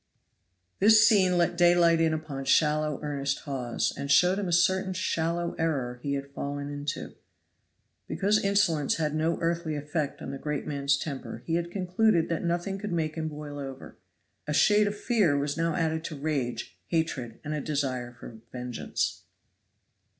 This scene let daylight in upon shallow, earnest Hawes, and showed him a certain shallow error he had fallen into. Because insolence had no earthly effect on the great man's temper he had concluded that nothing could make him boil over. A shade of fear was now added to rage, hatred and a desire for vengeance.